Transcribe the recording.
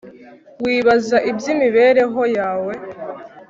wibaza iby'imibereho yawe